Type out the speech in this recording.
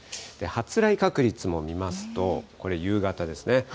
発雷確率も見ますと、これ、夕方ですね。